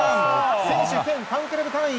選手兼ファンクラブ会員